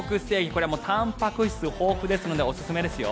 これはたんぱく質豊富ですのでおすすめですよ。